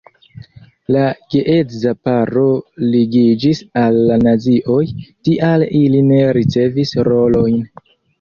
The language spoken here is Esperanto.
La geedza paro ligiĝis al la nazioj, tial ili ne ricevis rolojn.